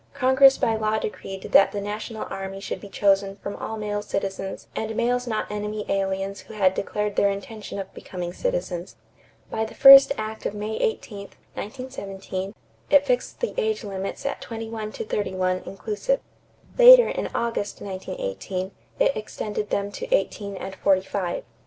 Congress by law decreed that the national army should be chosen from all male citizens and males not enemy aliens who had declared their intention of becoming citizens. By the first act of May 18, 1917, it fixed the age limits at twenty one to thirty one inclusive. Later, in August, 1918, it extended them to eighteen and forty five.